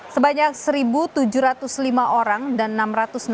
sebanyak satu tujuh ratus penumpang yang telah menemukan penumpang di jawa lampung